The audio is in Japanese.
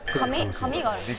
紙があるの？